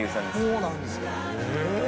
そうなんですか。